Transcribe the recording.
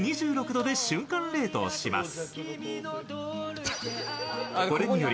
２６度で瞬間冷凍します。